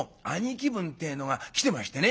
分ってえのが来てましてね」。